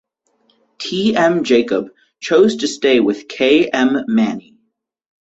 T. M Jacob choose to stay with K. M Mani.